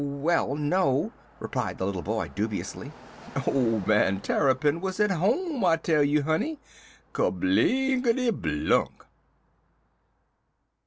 "Well, no," replied the little boy, dubiously. "Ole man Tarrypin 'wuz at home I tell you, honey. Kerblinkity blunk!"